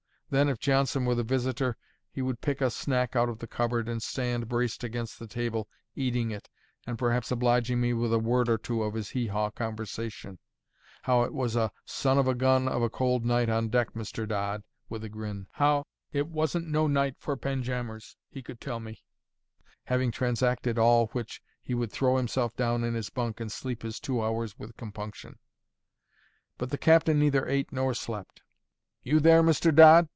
Then, if Johnson were the visitor, he would pick a snack out of the cupboard, and stand, braced against the table, eating it, and perhaps obliging me with a word or two of his hee haw conversation: how it was "a son of a gun of a cold night on deck, Mr. Dodd" (with a grin); how "it wasn't no night for panjammers, he could tell me": having transacted all which, he would throw himself down in his bunk and sleep his two hours with compunction. But the captain neither ate nor slept. "You there, Mr. Dodd?"